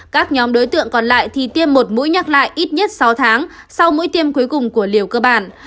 các nhóm đối tượng còn lại thì tiêm một mũi nhắc lại ít nhất sáu tháng sau mũi tiêm cuối cùng của liều cơ bản